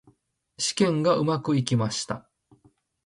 試験がうまくいきました。